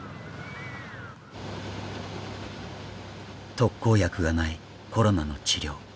特効薬がないコロナの治療。